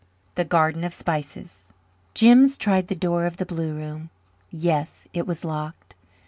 The Garden of Spices Jims tried the door of the blue room. Yes, it was locked.